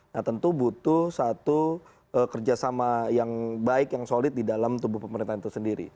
nah tentu butuh satu kerjasama yang baik yang solid di dalam tubuh pemerintahan itu sendiri